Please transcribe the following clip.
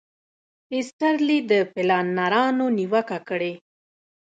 ایسټرلي د پلانرانو نیوکه کړې.